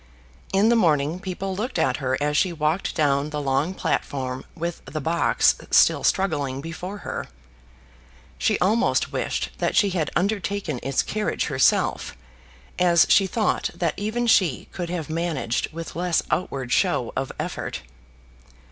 In the morning people looked at her as she walked down the long platform with the box still struggling before her. She almost wished that she had undertaken its carriage herself, as she thought that even she could have managed with less outward show of effort.